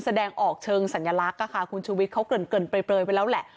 แสดงออกเชิงสัญลักษณ์ค่ะคุณชุวิตเขาเกริ่นเปลยไปแล้วแหละ